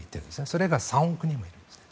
それが３億人いるんです。